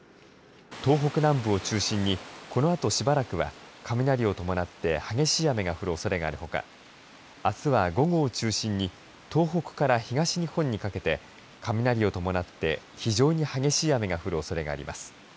東北南部を中心にこのあとしばらくは雷を伴って激しい雨が降るおそれがあるほかあすは午後を中心に東北から東日本にかけて雷を伴って非常に激しい雨が降るおそれがあります。